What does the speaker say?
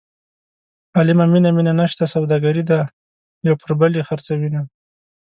عالمه مینه مینه نشته سوداګري ده یو پر بل یې خرڅوینه.